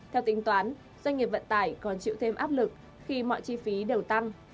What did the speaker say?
theo tính toán doanh nghiệp vận tải còn chịu thêm áp lực khi mọi chi phí đều tăng